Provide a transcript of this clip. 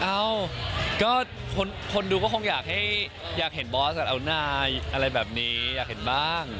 เอ้าก็คนดูก็คงอยากให้อยากเห็นบอสอัลน่าอะไรแบบนี้อยากเห็นบ้าง